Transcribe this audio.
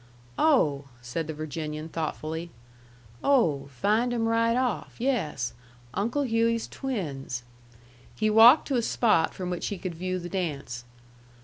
"Oh," said the Virginian, thoughtfully. "Oh, find 'em right off. Yes. Uncle Hughey's twins." He walked to a spot from which he could view the dance.